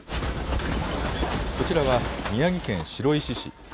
こちらは宮城県白石市。